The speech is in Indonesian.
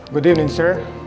selamat pagi pak